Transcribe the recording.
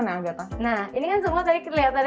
ternyata itu kayak sistem lemari